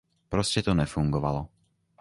Prostě to nefungovalo.